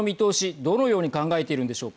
どのように考えているんでしょうか。